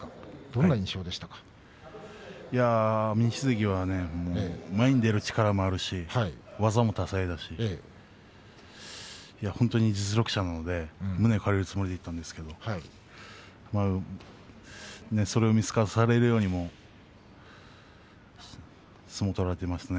安美錦関は前に出る力もあるし、技も多彩ですし本当に実力者なので胸を借りるつもりでいったんですけれどそれを見透かされるように相撲を取られていますね